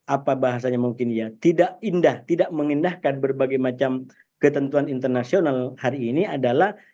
apa bahasanya mungkin ya tidak indah tidak mengindahkan berbagai macam ketentuan internasional hari ini adalah